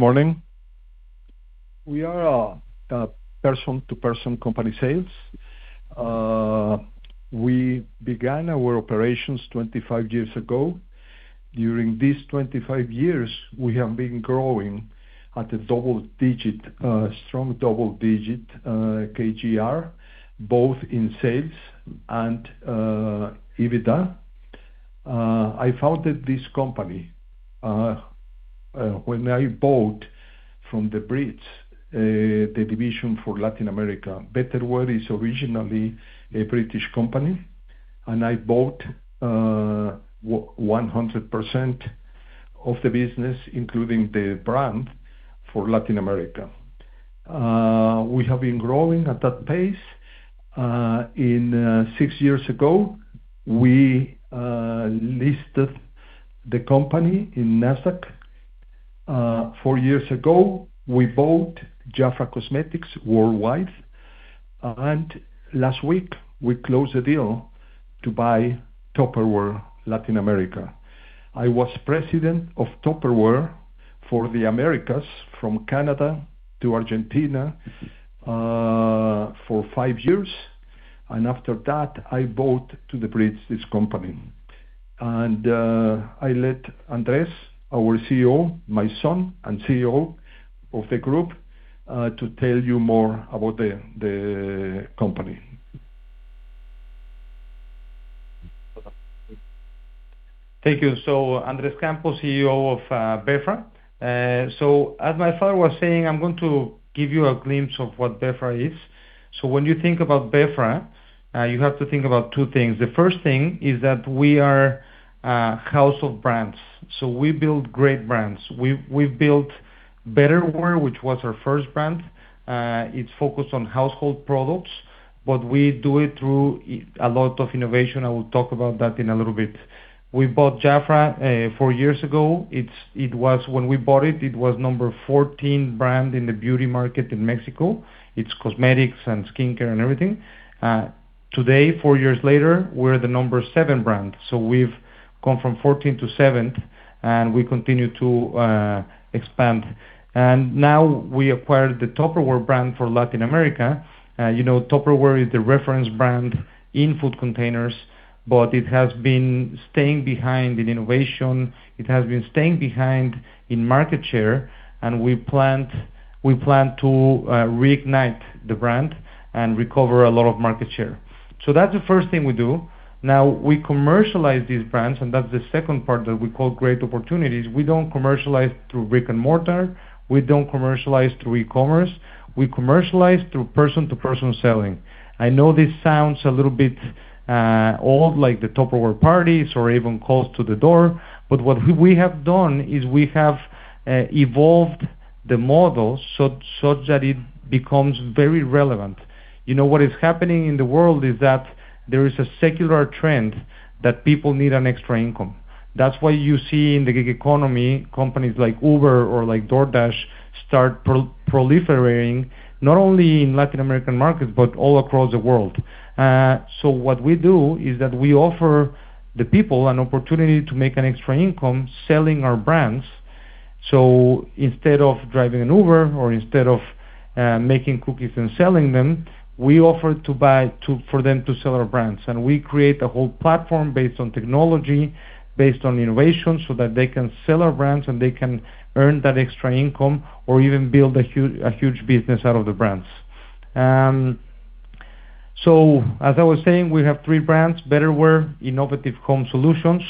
Good morning. We are a person-to-person company sales. We began our operations 25 years ago. During these 25 years, we have been growing at a strong double-digit CAGR, both in sales and EBITDA. I founded this company when I bought from the Brits, the division for Latin America. Betterware is originally a British company. I bought 100% of the business, including the brand for Latin America. We have been growing at that pace. Six years ago, we listed the company in Nasdaq. Four years ago, we bought Jafra Cosmetics worldwide. Last week we closed the deal to buy Tupperware Latin America. I was president of Tupperware for the Americas, from Canada to Argentina, for five years. After that, I bought to the Brits this company. I will let Andrés, our CEO, my son and CEO of the group, to tell you more about the company. Thank you. Andrés Campos, CEO of Betterware. As my father was saying, I'm going to give you a glimpse of what Betterware is. When you think about Betterware, you have to think about two things. The first thing is that we are a household brands. We build great brands. We've built Betterware, which was our first brand. It's focused on household products, but we do it through a lot of innovation. I will talk about that in a little bit. We bought Jafra four years ago. When we bought it was number 14 brand in the beauty market in Mexico. It's cosmetics and skincare and everything. Today, four years later, we're the number 7 brand. We've gone from 14 to 7, and we continue to expand. Now we acquired the Tupperware brand for Latin America. Tupperware is the reference brand in food containers. It has been staying behind in innovation. It has been staying behind in market share. We plan to reignite the brand and recover a lot of market share. That's the first thing we do. Now, we commercialize these brands. That's the second part that we call great opportunities. We don't commercialize through brick and mortar. We don't commercialize through e-commerce. We commercialize through person-to-person selling. I know this sounds a little bit old, like the Tupperware parties or even calls to the door, what we have done is we have evolved the model such that it becomes very relevant. What is happening in the world is that there is a secular trend that people need an extra income. That's why you see in the gig economy, companies like Uber or like DoorDash start proliferating not only in Latin American markets, but all across the world. What we do is that we offer the people an opportunity to make an extra income selling our brands. Instead of driving an Uber or instead of making cookies and selling them, we offer for them to sell our brands. We create a whole platform based on technology, based on innovation, so that they can sell our brands, they can earn that extra income, or even build a huge business out of the brands. As I was saying, we have three brands, Betterware, innovative home solutions.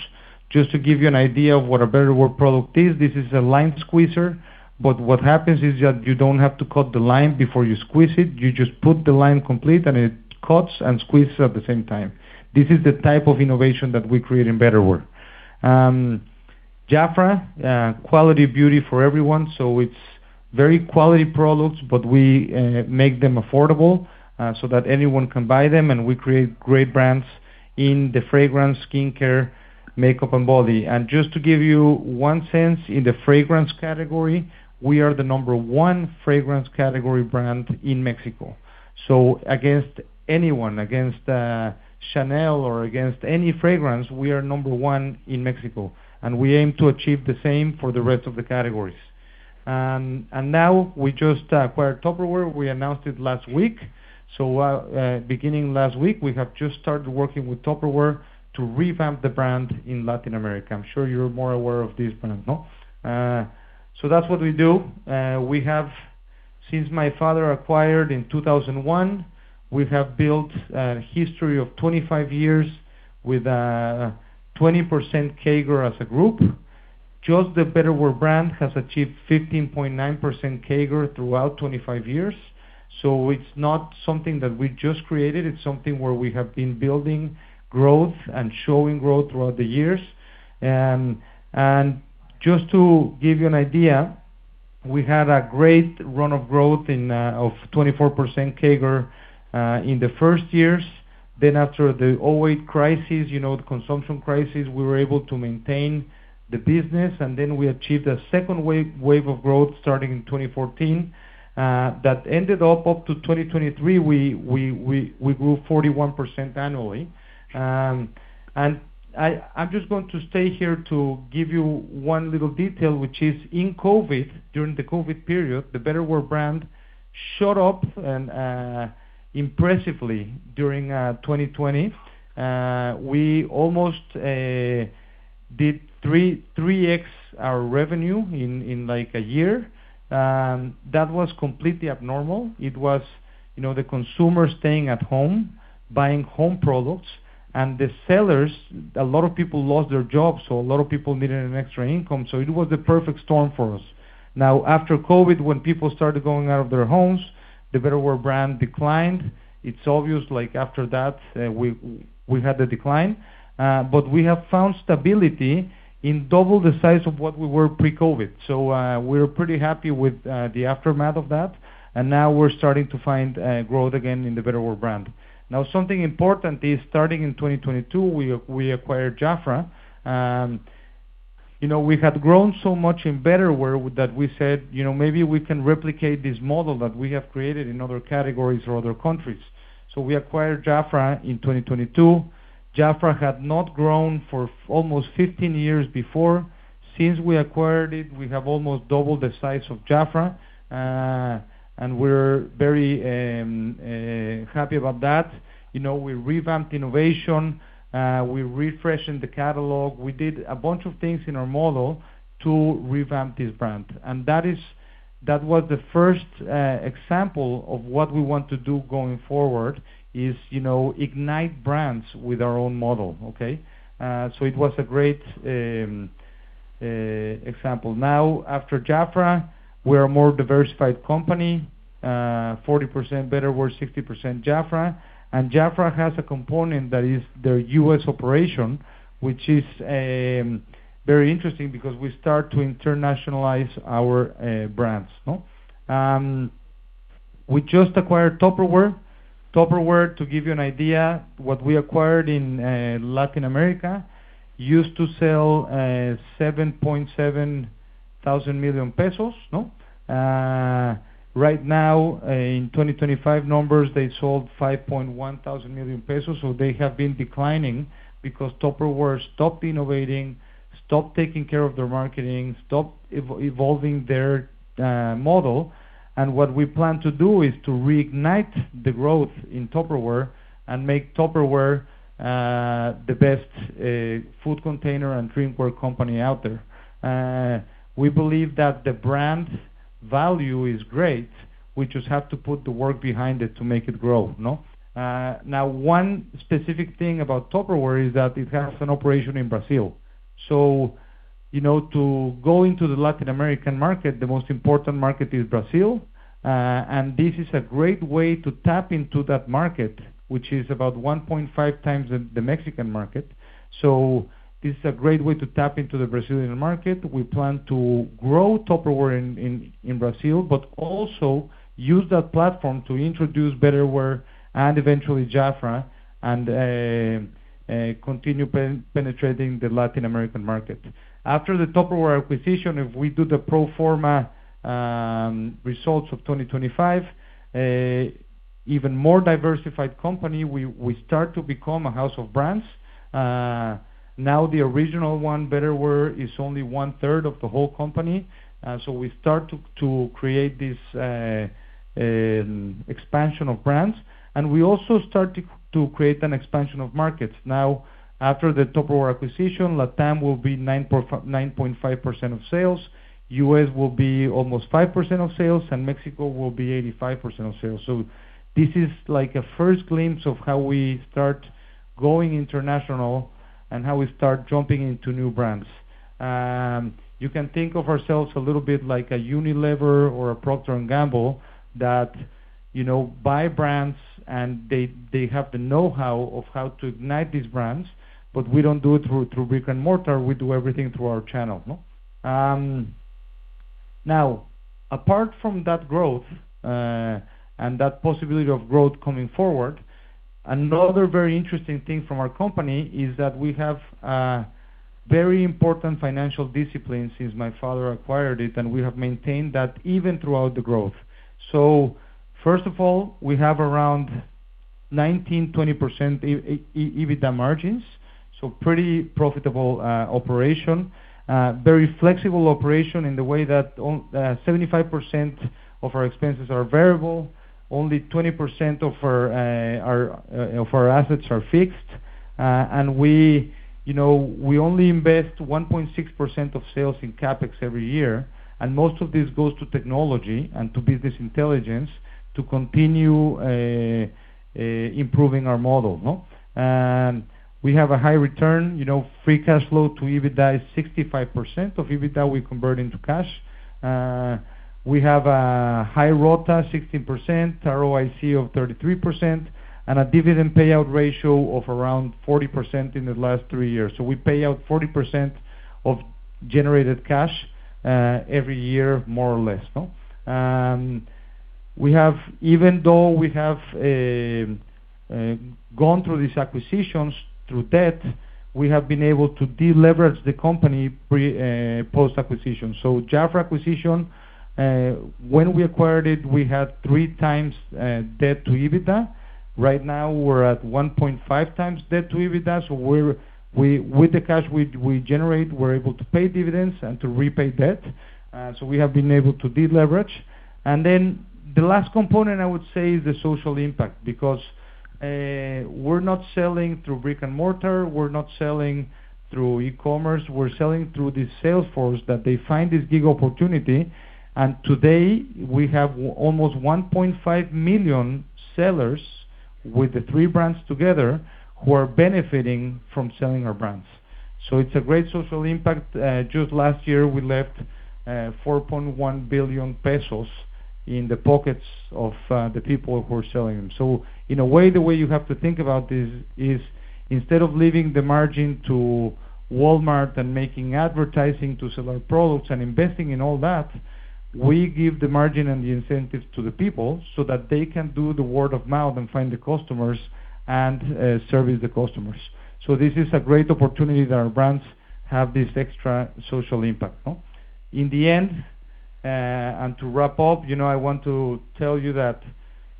Just to give you an idea of what a Betterware product is, this is a lime squeezer, but what happens is that you don't have to cut the lime before you squeeze it. You just put the lime complete, and it cuts and squeezes at the same time. This is the type of innovation that we create in Betterware. Jafra, quality beauty for everyone. It's very quality products, but we make them affordable so that anyone can buy them, and we create great brands in the fragrance, skincare, makeup, and body. Just to give you one sense, in the fragrance category, we are the number 1 fragrance category brand in Mexico. Against anyone, against Chanel or against any fragrance, we are number 1 in Mexico, and we aim to achieve the same for the rest of the categories. Now we just acquired Tupperware. We announced it last week. Beginning last week, we have just started working with Tupperware to revamp the brand in Latin America. I'm sure you're more aware of this than I am not. That's what we do. Since my father acquired in 2001, we have built a history of 25 years with a 20% CAGR as a group. Just the Betterware brand has achieved 15.9% CAGR throughout 25 years. It's not something that we just created. It's something where we have been building growth and showing growth throughout the years. Just to give you an idea, we had a great run of growth of 24% CAGR in the first years. After the 2008 crisis, the consumption crisis, we were able to maintain the business, and we achieved a second wave of growth starting in 2014, that ended up to 2023, we grew 41% annually. I'm just going to stay here to give you one little detail, which is in COVID, during the COVID period, the Betterware brand shot up impressively during 2020. We almost did 3x our revenue in a year. That was completely abnormal. It was the consumer staying at home, buying home products, and the sellers, a lot of people lost their jobs, a lot of people needed an extra income. It was the perfect storm for us. After COVID, when people started going out of their homes, the Betterware brand declined. It's obvious after that, we had the decline. We have found stability in double the size of what we were pre-COVID. We're pretty happy with the aftermath of that, and now we're starting to find growth again in the Betterware brand. Something important is starting in 2022, we acquired Jafra. We had grown so much in Betterware that we said, "Maybe we can replicate this model that we have created in other categories or other countries." We acquired Jafra in 2022. Jafra had not grown for almost 15 years before. Since we acquired it, we have almost doubled the size of Jafra, and we're very happy about that. We revamped innovation. We refreshened the catalog. We did a bunch of things in our model to revamp this brand. That was the first example of what we want to do going forward, is ignite brands with our own model. It was a great example. After Jafra, we're a more diversified company, 40% Betterware, 60% Jafra. Jafra has a component that is their U.S. operation, which is very interesting because we start to internationalize our brands. We just acquired Tupperware. Tupperware, to give you an idea, what we acquired in Latin America, used to sell 7.7 billion pesos. Right now, in 2025 numbers, they sold 5.1 billion pesos. They have been declining because Tupperware stopped innovating, stopped taking care of their marketing, stopped evolving their model. What we plan to do is to reignite the growth in Tupperware and make Tupperware the best food container and drinkware company out there. We believe that the brand value is great. We just have to put the work behind it to make it grow. One specific thing about Tupperware is that it has an operation in Brazil. To go into the Latin American market, the most important market is Brazil. This is a great way to tap into that market, which is about 1.5x the Mexican market. This is a great way to tap into the Brazilian market. We plan to grow Tupperware in Brazil, but also use that platform to introduce Betterware and eventually Jafra, and continue penetrating the Latin American market. After the Tupperware acquisition, if we do the pro forma results of 2025, even more diversified company, we start to become a house of brands. The original one, Betterware, is only one-third of the whole company. We start to create this expansion of brands, and we also start to create an expansion of markets. After the Tupperware acquisition, LATAM will be 9.5% of sales, U.S. will be almost 5% of sales, and Mexico will be 85% of sales. This is like a first glimpse of how we start going international and how we start jumping into new brands. You can think of ourselves a little bit like a Unilever or a Procter & Gamble that buy brands, and they have the know-how of how to ignite these brands. We don't do it through brick and mortar, we do everything through our channel. Apart from that growth, and that possibility of growth coming forward, another very interesting thing from our company is that we have very important financial discipline since my father acquired it, and we have maintained that even throughout the growth. First of all, we have around 19%, 20% EBITDA margins, pretty profitable operation. Very flexible operation in the way that 75% of our expenses are variable. Only 20% of our assets are fixed. We only invest 1.6% of sales in CapEx every year, and most of this goes to technology and to business intelligence to continue improving our model. We have a high return, free cash flow to EBITDA is 65%. Of EBITDA, we convert into cash. We have a high ROTA, 16%, ROIC of 33%, and a dividend payout ratio of around 40% in the last three years. We pay out 40% of generated cash every year, more or less. Even though we have gone through these acquisitions through debt, we have been able to deleverage the company post-acquisition. Jafra acquisition, when we acquired it, we had 3x debt to EBITDA. Right now, we're at 1.5x debt to EBITDA, with the cash we generate, we're able to pay dividends and to repay debt. We have been able to deleverage. The last component, I would say, is the social impact, because we're not selling through brick and mortar, we're not selling through e-commerce, we're selling through this sales force that they find this gig opportunity. Today, we have almost 1.5 million sellers with the three brands together who are benefiting from selling our brands. It's a great social impact. Just last year, we left 4.1 billion pesos in the pockets of the people who are selling them. In a way, the way you have to think about this is, instead of leaving the margin to Walmart and making advertising to sell our products and investing in all that, we give the margin and the incentives to the people so that they can do the word of mouth and find the customers and service the customers. This is a great opportunity that our brands have this extra social impact. In the end, and to wrap up, I want to tell you that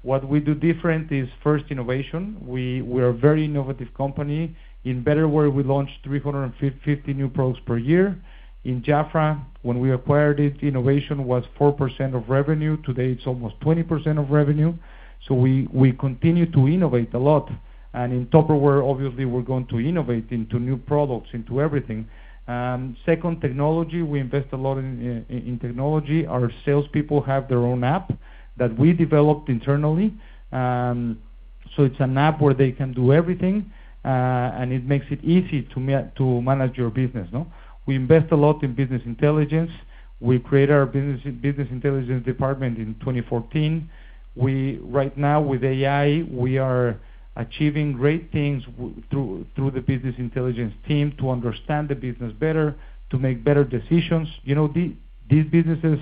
what we do different is, first, innovation. We are a very innovative company. In Betterware, we launch 350 new products per year. In Jafra, when we acquired it, innovation was 4% of revenue. Today, it's almost 20% of revenue. We continue to innovate a lot. In Tupperware, obviously, we're going to innovate into new products, into everything. Second, technology. We invest a lot in technology. Our salespeople have their own app that we developed internally. It's an app where they can do everything, and it makes it easy to manage your business. We invest a lot in business intelligence. We create our business intelligence department in 2014. Right now, with AI, we are achieving great things through the business intelligence team to understand the business better, to make better decisions. These businesses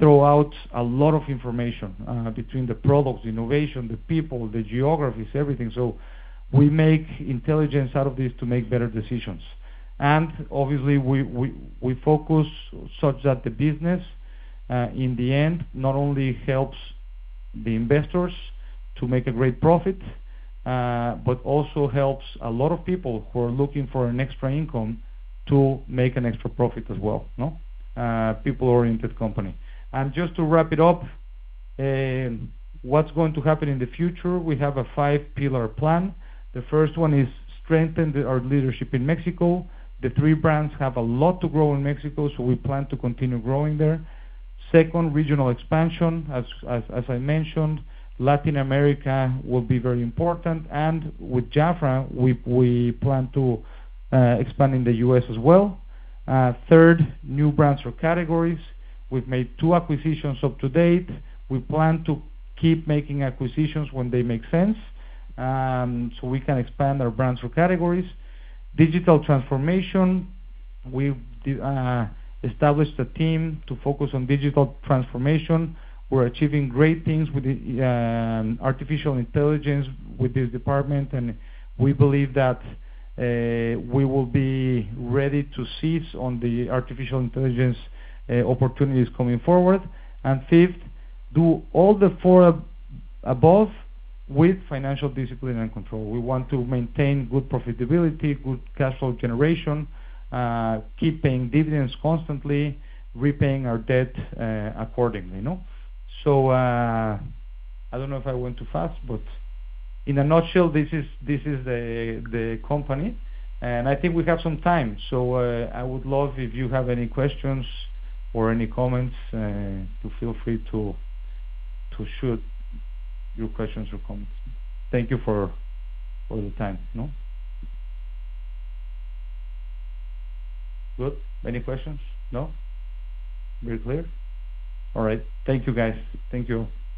throw out a lot of information, between the products, innovation, the people, the geographies, everything. We make intelligence out of this to make better decisions. Obviously, we focus such that the business, in the end, not only helps the investors to make a great profit, but also helps a lot of people who are looking for an extra income to make an extra profit as well. People-oriented company. Just to wrap it up, what's going to happen in the future, we have a five-pillar plan. The first one is strengthen our leadership in Mexico. The three brands have a lot to grow in Mexico, so we plan to continue growing there. Second, regional expansion. As I mentioned, Latin America will be very important. With Jafra, we plan to expand in the U.S. as well. Third, new brands or categories. We've made two acquisitions up to date. We plan to keep making acquisitions when they make sense, so we can expand our brands or categories. Digital transformation. We established a team to focus on digital transformation. We're achieving great things with artificial intelligence with this department, and we believe that we will be ready to seize on the artificial intelligence opportunities coming forward. Fifth, do all the four above with financial discipline and control. We want to maintain good profitability, good cash flow generation, keep paying dividends constantly, repaying our debt accordingly. I don't know if I went too fast, but in a nutshell, this is the company, and I think we have some time. I would love, if you have any questions or any comments, to feel free to shoot your questions or comments. Thank you for the time. Good? Any questions? No? We're clear? All right. Thank you, guys. Thank you.